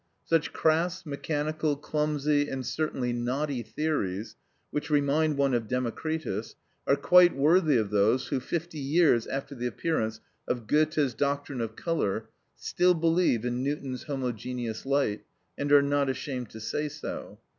Such crass, mechanical, clumsy, and certainly knotty theories, which remind one of Democritus, are quite worthy of those who, fifty years after the appearance of Goethe's doctrine of colour, still believe in Newton's homogeneous light, and are not ashamed to say so.